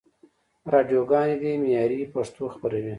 راډیوګاني دي معیاري پښتو خپروي.